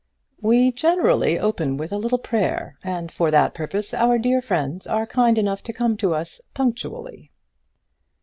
"We generally open with a little prayer, and for that purpose our dear friends are kind enough to come to us punctually."